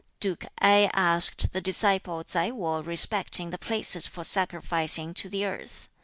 Duke Ngai asked the disciple Tsai Wo respecting the places for sacrificing to the Earth.